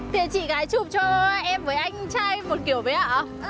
thì chị gái chụp cho em với anh trai một kiểu với ạ